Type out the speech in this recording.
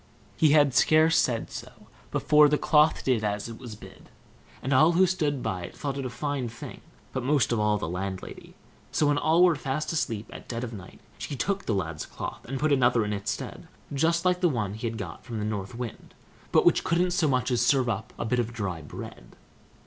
He had scarce said so before the cloth did as it was bid; and all who stood by thought it a fine thing, but most of all the landlady. So, when all were fast asleep at dead of night, she took the lad's cloth, and put another in its stead, just like the one he had got from the North Wind, but which couldn't so much as serve up a bit of dry bread.